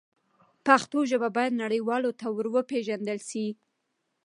پښتو ژبه باید نړیوالو ته ور وپیژندل سي.